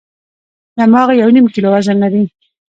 دماغ یو نیم کیلو وزن لري.